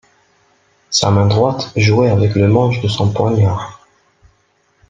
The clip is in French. Sa main droite jouait avec le manche de son poignard.